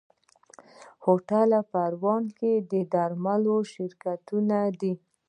هوټل پروان کې د درملو شرکتونه دي.